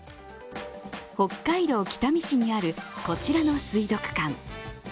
北海道北見市にあるこちらの水族館。